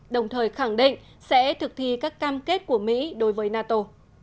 đồng thời khẳng định sẽ thực thi các cam kết của mỹ đối với nato